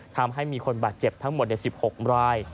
ทำให้มีคนบาดเจ็บ๑๖บราย